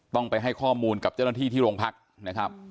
ต้องไปให้ข้อมูลกับเจ้าหน้าที่ที่โรงพักนะครับ